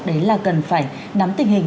đấy là cần phải nắm tình hình